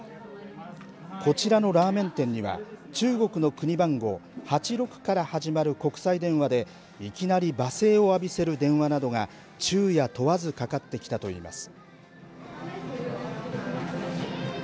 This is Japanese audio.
こちらのラーメン店には中国の国番号８６から始まる国際電話で、いきなり罵声を浴びせる電話などが昼夜問わずかかってきたと言います。